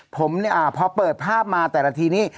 ผมเนี่ยพอเปิดภาพมาแต่ละทีนี้